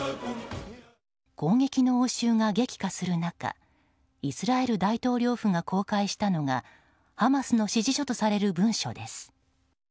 攻撃の応酬が激化する中イスラエル大統領府が公開したのがハマスの指示書とされる文書です。